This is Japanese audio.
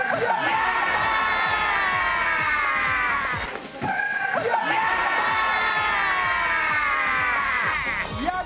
やったー！